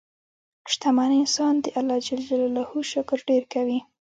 شتمن انسان د الله شکر ډېر کوي.